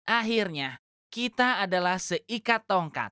akhirnya kita adalah seikat tongkat